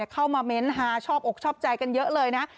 เข้ามาเม้นต์ฮาชอบอกชอบใจกันเยอะเลยนะ